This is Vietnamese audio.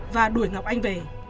và đuổi ngọc anh về